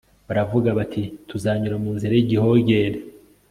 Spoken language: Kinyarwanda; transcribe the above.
baravuga bati “ tuzanyura mu nzira y igihogere